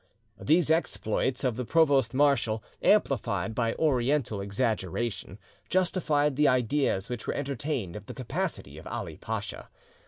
These exploits of the provost marshal, amplified by Oriental exaggeration, justified the ideas which were entertained of the capacity of Ali Pacha.